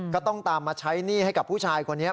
ก็ต้องตามมาใช้หนี้ให้กับผู้ชายคนนี้